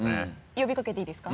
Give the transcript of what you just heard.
呼びかけていいですか？